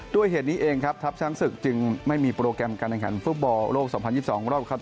ด้วยเหตุนี้เองครับทัพช้างศึกจึงไม่มีโปรแกรมการแข่งขันฟุตบอลโลก๒๐๒๒รอบครับ